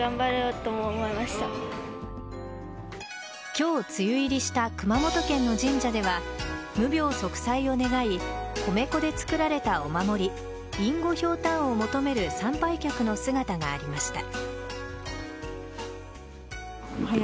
今日梅雨入りした熊本県の神社では無病息災を願い米粉で作られたお守り犬子ひょうたんを求める参拝客の姿がありました。